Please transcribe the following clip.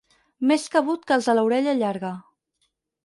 Més cabut que els de l'orella llarga.